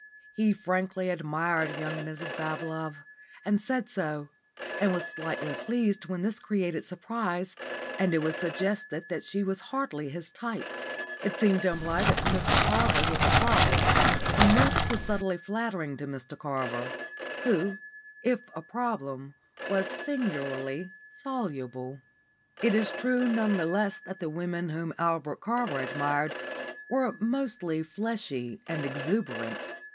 He frankly admired young Mrs Bablove, and said so, and was slightly pleased when this created surprise and it was suggested that she was hardly his type. It seemed to imply that Mr Carver was a problem, and this was subtly flattering to Mr Carver who, if a problem, was singularly soluble. It is true none the less that the women whom Albert Carver admired were mostly fleshy and exuberant.